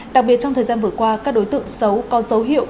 đặc biệt trong thời gian vừa qua các đối tượng xấu có dấu hiệu